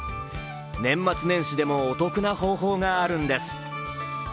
年末年始でもお得な方法があるんです。